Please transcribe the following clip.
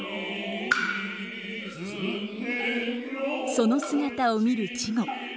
その姿を見る稚児。